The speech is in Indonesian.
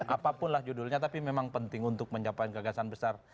apapunlah judulnya tapi memang penting untuk mencapai gagasan besar